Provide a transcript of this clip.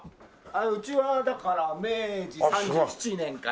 うちはだから明治３７年からだから。